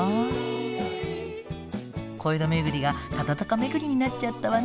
小江戸めぐりが忠敬めぐりになっちゃったわね。